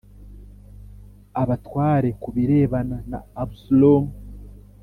abatware ku birebana na Abusalomu